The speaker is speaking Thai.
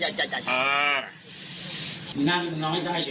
นั่นนอนให้ได้เฉยเลย